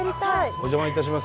お邪魔いたします。